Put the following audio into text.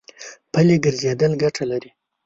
پلي ګرځېدل ګټه لري.